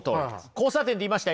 交差点って言いました？